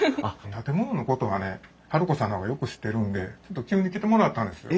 建物のことはね治子さんの方がよく知ってるんでちょっと急に来てもらったんですよ。